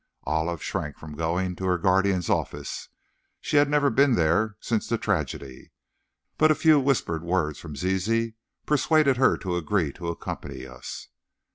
Olive shrank from going to her guardian's office, she had never been there since the tragedy, but a few whispered words from Zizi persuaded her to agree to accompany us.